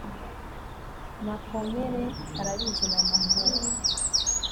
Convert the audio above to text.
makomere arabizi na makuka